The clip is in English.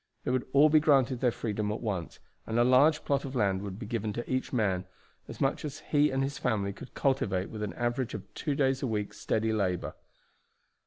They would all be granted their freedom at once, and a large plot of land would be given to each man, as much as he and his family could cultivate with an average of two days a week steady labor.